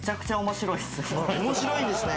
面白いんですね。